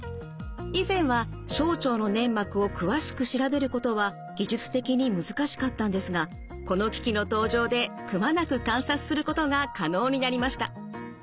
以前は小腸の粘膜を詳しく調べることは技術的に難しかったんですがこの機器の登場でくまなく観察することが可能になりました。